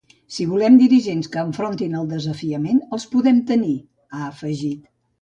Si volem dirigents que enfrontin el desafiament, els podem tenir, ha afegit.